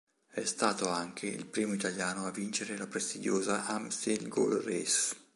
È stato anche il primo italiano a vincere la prestigiosa Amstel Gold Race.